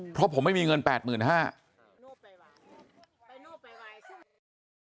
เพราะผมไม่มีเงิน๘๕๐๐๐บาท